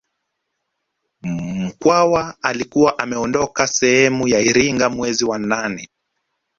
Mkwawa alikuwa ameondoka sehemu za Iringa mwezi wa nane